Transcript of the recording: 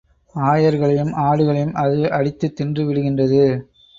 ஆயர்களையும் ஆடுகளையும் அது அடித்துத் தின்றுவிடுகின்றது.